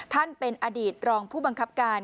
ท่านเป็นอดีตรองผู้บังคับการ